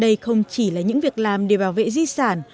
đây không chỉ là những việc làm để bảo vệ di sản